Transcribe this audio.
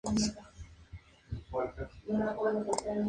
Se encuentra en la ceja de selva.